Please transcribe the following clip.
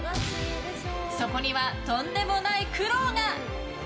そこには、とんでもない苦労が。